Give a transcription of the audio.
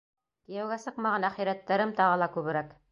Кейәүгә сыҡмаған әхирәттәрем тағы ла күберәк.